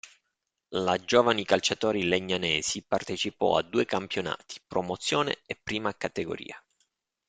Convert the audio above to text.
La Giovani Calciatori Legnanesi partecipò a due campionati: Promozione e Prima Categoria.